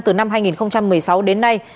từ năm hai nghìn một mươi sáu đến nay